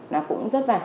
nó cũng rất là